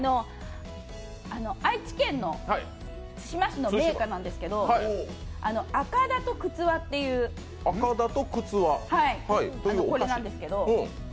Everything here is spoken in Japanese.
愛知県の津島市の銘菓なんですけど、あかだとくつわというこれなんですけど。